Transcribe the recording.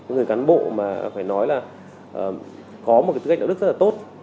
người cán bộ mà phải nói là có một cái tư cách đạo đức rất là tốt